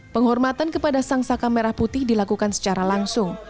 penghormatan kepada sang saka merah putih dilakukan secara langsung